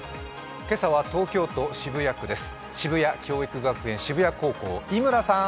今朝は東京都渋谷区です。